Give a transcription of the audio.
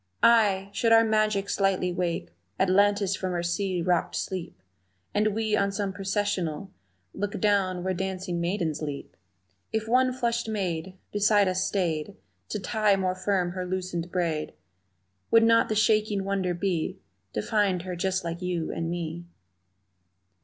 Ay, should our magic straightly wake Atlantis from her sea rocked sleep And we on some Processional Look down where dancing maidens leap, If one flushed maid Beside us stayed To tie more firm her loosened braid Would not the shaking wonder be To find her just like you and me?